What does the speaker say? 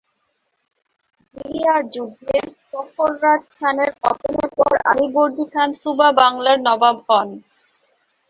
গিরিয়ার যুদ্ধে সরফরাজ খানের পতনের পর আলীবর্দী খান সুবা বাংলার নবাব হন।